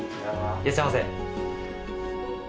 いらっしゃいませ。